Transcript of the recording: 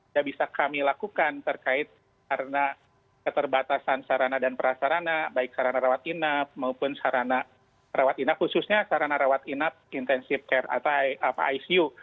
yang bisa kami lakukan terkait karena keterbatasan sarana dan prasarana baik sarana rawat inap maupun sarana rawat inap khususnya sarana rawat inap intensive care atau icu